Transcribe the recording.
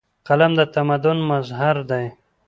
قلم د تمدن مظهر دی.